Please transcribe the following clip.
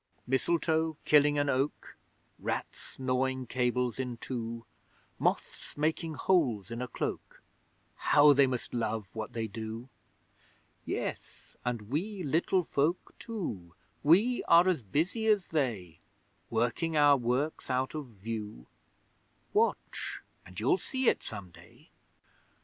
Mistletoe killing an oak Rats gnawing cables in two Moths making holes in a cloak How they must love what they do! Yes and we Little Folk too, We are as busy as they Working our works out of view Watch, and you'll see it some day!